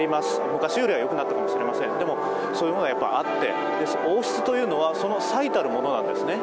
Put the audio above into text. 昔よりはよくなったかもしれませんがそういうものがあって王室というのは、その最たるものなんですね。